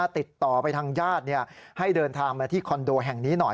ติดต่อไปทางญาติให้เดินทางมาที่คอนโดแห่งนี้หน่อย